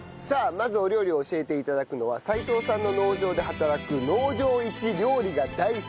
まずお料理を教えて頂くのは齋藤さんの農場で働く農場一料理が大好きな大貫さんです。